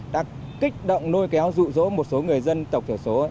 đã kích động nôi kéo dụ dỗ một số người dân tộc thiểu số